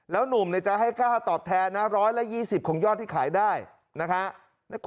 แล้วหนุ่มเลยจะให้กล้าตอบแทนนะ๑๒๐ของยอดได้นะคะ